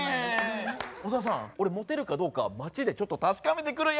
小沢さん俺モテるかどうか街でちょっと確かめてくるよ。